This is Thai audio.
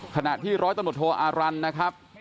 ขณะที่ร้อยตะหนดโทออารันทร์